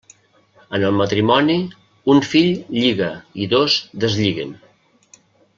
En el matrimoni, un fill lliga i dos deslliguen.